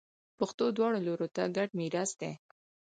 پښتو دواړو لورو ته ګډ میراث دی.